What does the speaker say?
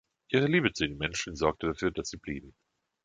Ihre Liebe zu den Menschen sorgte dafür, dass sie blieben.